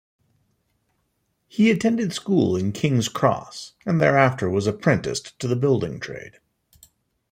He attended school in King's Cross, and thereafter was apprenticed to the building trade.